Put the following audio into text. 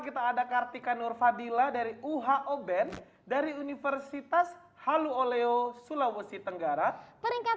kita ada kartika nurfadila dari uho band dari universitas haluoleo sulawesi tenggara peringkat